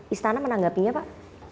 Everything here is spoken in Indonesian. istana menanggapinya pak